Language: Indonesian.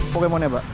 pokemon ya mbak